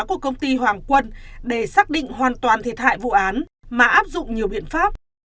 của công ty hoàng quân để xác định hoàn toàn thiệt hại vụ án mà áp dụng nhiều biện pháp